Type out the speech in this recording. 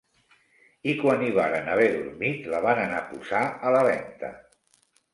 I quan hi varen haver dormit la van anar a posar a la venta.